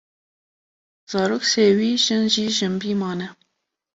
zarok sêwî, jin jî jinbî mane.